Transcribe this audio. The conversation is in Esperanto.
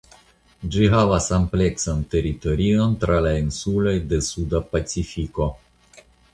Ĝi havas ampleksan teritorion tra la insuloj de Suda Pacifiko.